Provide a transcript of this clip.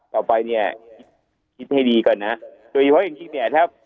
ต่อไปเนี้ยให้ดีก่อนนะโดยเหตุผลกฎหรือกินเนี้ยจ๊ะ